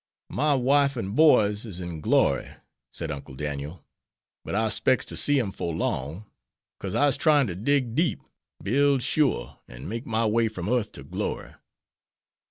"My wife an' boys is in glory," said Uncle Daniel. "But I 'spects to see 'em 'fore long. 'Cause I'se tryin' to dig deep, build sure, an' make my way from earth ter glory."